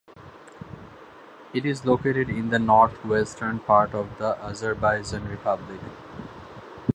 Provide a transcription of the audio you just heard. It is located in the northwestern part of the Azerbaijan Republic.